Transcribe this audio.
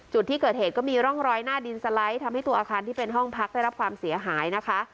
จุดที่เกิดเหตุก็มีร่องรอยหน้าดินสไลด์ทำให้ตัวอาคารที่เป็นห้องพักได้รับความเสียหายนะคะ